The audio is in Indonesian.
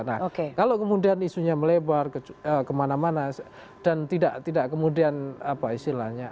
nah kalau kemudian isunya melebar kemana mana dan tidak kemudian apa istilahnya